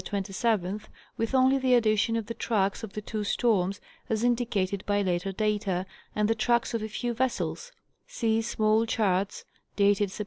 27th), with only the addition of the tracks of the two storms (as indicated _ by later data) and the tracks of a few vessels (see small charts dated Sept.